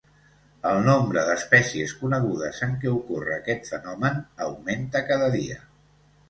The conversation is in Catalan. El nombre d’espècies conegudes en què ocorre aquest fenomen augmenta cada dia.